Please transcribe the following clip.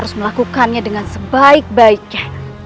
dan melakukannya dengan sebaik baiknya